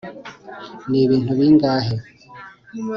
nibintu bingahe